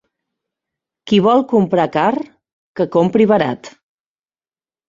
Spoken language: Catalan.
Qui vol comprar car, que compri barat.